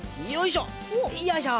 よいしょ。